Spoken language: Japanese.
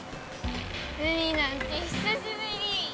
海なんてひさしぶり。